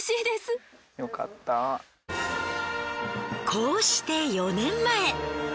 こうして４年前。